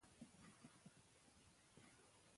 موږ باید له دې نعمتونو ګټه پورته کړو.